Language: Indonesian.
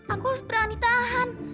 aku harus berani tahan